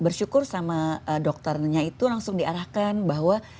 bersyukur sama dokternya itu langsung diarahkan bahwa